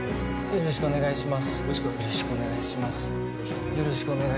よろしくお願いします。